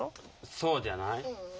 そうじゃない？